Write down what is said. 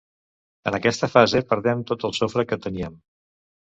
En aquesta fase perdem tot el sofre que teníem.